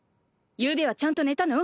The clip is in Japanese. ゆうべはちゃんと寝たの？